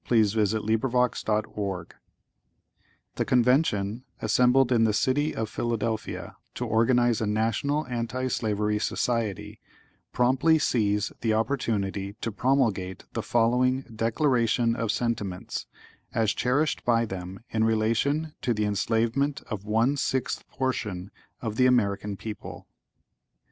by William Lloyd Garrison The Convention, assembled in the City of Philadelphia to organize a National Anti Slavery Society, promptly seize the opportunity to promulgate the following Declaration of Sentiments, as cherished by them in relation to the enslavement of one sixth portion of the American people.